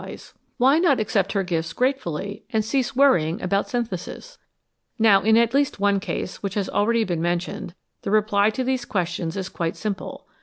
248 HOW MAN COMPETES WITH NATURE Why not accept her gifts gratefully, and cease worrying about " synthesis "? Now in at least one case which has already been men tioned, the reply to these questions is quite simple.